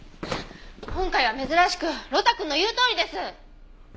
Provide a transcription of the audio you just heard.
今回は珍しく呂太くんの言うとおりです！